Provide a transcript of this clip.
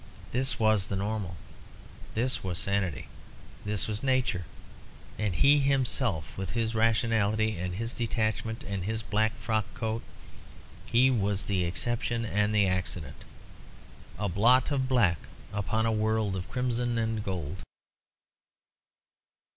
This was the normal, this was sanity, this was nature; and he himself, with his rationality and his detachment and his black frock coat, he was the exception and the accident a blot of black upon a world of crimson and gold.